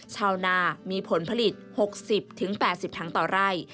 ชาวนามีผลผลิต๖๐๘๐ถังต่อไร่